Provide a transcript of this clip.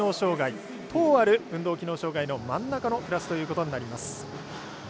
１０ある運動機能障がいの真ん中のクラスということになります。